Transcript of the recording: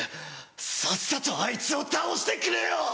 さっさとあいつを倒してくれよ！」。